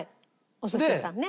お寿司屋さんね。